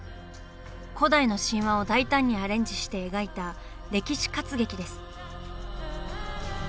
古代の神話を大胆にアレンジして描いた歴史活劇です。